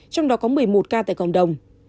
trong đó có một mươi một ca tại cộng đồng